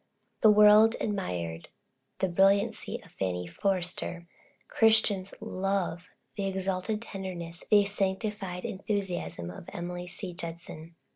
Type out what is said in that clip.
The world admired the brilliancy of "Fanny Forrester." Christians love the exalted tenderness, the sanctified enthusiasm of Emily C. Judson.